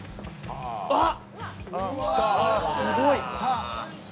あっ、すごい。